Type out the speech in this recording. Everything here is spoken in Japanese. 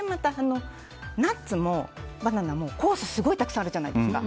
ナッツもバナナも酵素がすごいたくさんあるじゃないですか。